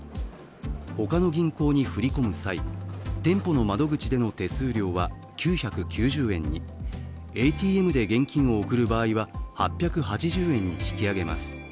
他の銀行に振り込む際店舗の窓口での手数料は９９０円にＡＴＭで現金を送る場合は８８０円に引き上げます。